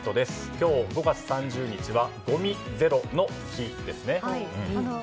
今日５月３０日はごみゼロの日ですね。